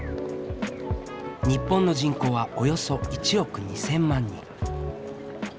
日本の人口はおよそ１億２，０００万人。